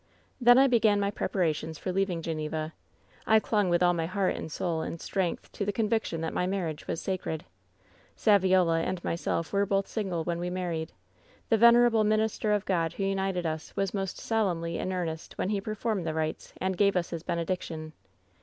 "Then I began my preparations for leaving Geneva. I clung with all my heart and soul and strength to the conviction that my marriage was sacred. Saviola and myself were both single when we married. The vener able minister of God who united us was most solemnly in earnest when he performed the rites and gave us hia benediction.